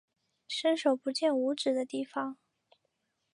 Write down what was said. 伸手不见五指的地方